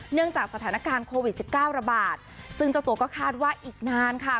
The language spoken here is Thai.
เนื่องจากสถานการณ์โควิด๑๙ระบาดซึ่งเจ้าตัวก็คาดว่าอีกนานค่ะ